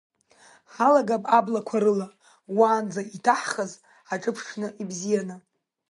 Ҳалагап аблақәа рыла, уаанӡа иҭаҳхыз ҳаҿыԥшны, ибзианы!